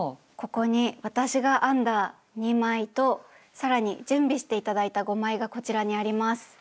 ここに私が編んだ２枚と更に準備して頂いた５枚がこちらにあります。